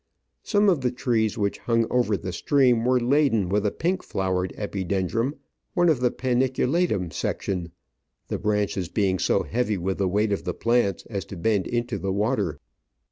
Some of the trees which hung over the stream were laden with a pink flowered Epidendrum, one of th^ panicu latttm section, the branches being so heavy with the weight of the plants as to bend into the water.